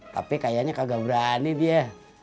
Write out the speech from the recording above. tapi kayaknya kagak berani dia